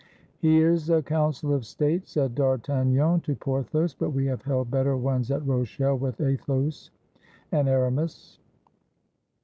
"Here 'sa Council of State," said D'Artagnan to Por thos; "but we have held better ones at Rochelle with Athos and Aramis."